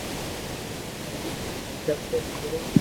ھين شپ رھتو